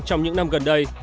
trong những năm gần đây